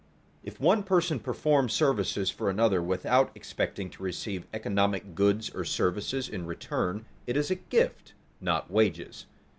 If one person performs services for another without expecting to receive economic goods or services in return, it is a gift, not wages.